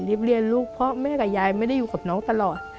เรียนลูกเพราะแม่กับยายไม่ได้อยู่กับน้องตลอด